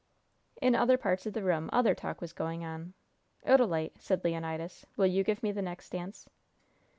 In other parts of the room other talk was going on. "Odalite," said Leonidas, "will you give me the next dance?"